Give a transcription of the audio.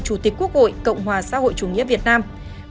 chủ tịch quốc hội cộng hòa xã hội chủ nghĩa việt nam